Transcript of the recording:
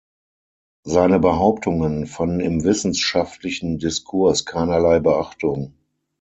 Seine Behauptungen fanden im wissenschaftlichen Diskurs keinerlei Beachtung.